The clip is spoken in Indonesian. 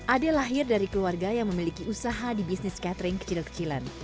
ade lahir dari keluarga yang memiliki usaha di bisnis catering kecil kecilan